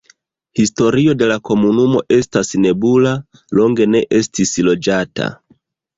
Historio de la komunumo estas nebula, longe ne estis loĝata.